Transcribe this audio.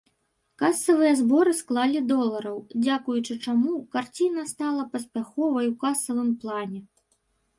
Касавыя зборы склалі долараў, дзякуючы чаму карціна стала паспяховай ў касавым плане.